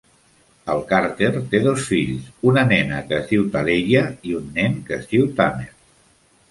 El Carter té dos fills: una nena que es diu Taleya y un nen que es diu Tamere.